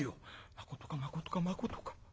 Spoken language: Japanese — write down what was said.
「まことかまことかまことか？